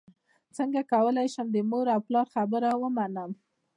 څنګه کولی شم د مور او پلار خبره ومنم